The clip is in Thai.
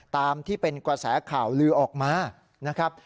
ตามที่เป็นกระแสข่าวลือออกมานะครับ